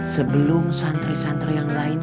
sebelum santri santri yang lain